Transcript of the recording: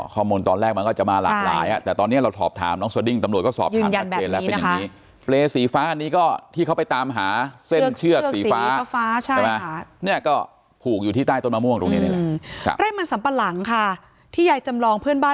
คอมพิวเตอร์ตอนแรกมันก็จะมาหลากหลายแต่ตอนนี้เราสอบถามน้องเซาดิ้ง